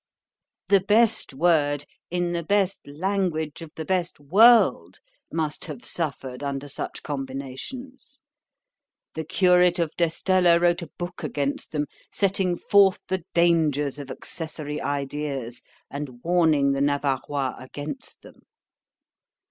The best word, in the best language of the best world, must have suffered under such combinations.——The curate of d'Estella wrote a book against them, setting forth the dangers of accessory ideas, and warning the Navarois against them.